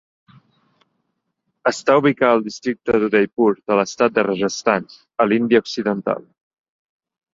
Està ubicar al districte Udaipur de l'estat de Rajasthan, a l'Índia occidental.